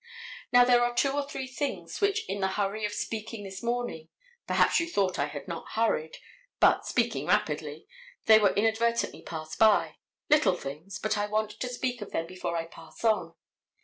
Now, there are two or three things which in the hurry of speaking this morning—perhaps you thought I had not hurried, but speaking rapidly, they were inadvertently passed by—little things, but I want to speak of them before I pass on.